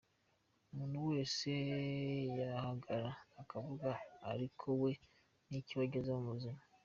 Umuntu wese yahagarara akavuga ariko we ni iki wagezeho mu buzima.